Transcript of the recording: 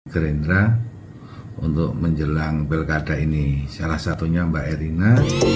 gerindra untuk menjelang pilkada ini salah satunya mbak erina